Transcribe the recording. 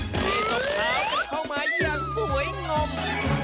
ที่ตบเท้ากันเข้ามาอย่างสวยงม